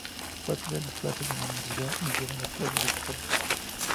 Parte de la plaza de la Universidad y llega a la plaza de Cataluña.